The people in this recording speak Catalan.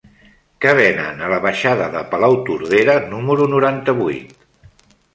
Què venen a la baixada de Palautordera número noranta-vuit?